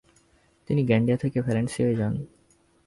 তিনি গ্যান্ডিয়া থেকে ভ্যালেন্সিয়ায় যান।